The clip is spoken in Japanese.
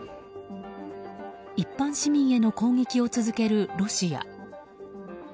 一般市民への攻撃を続けるロシア。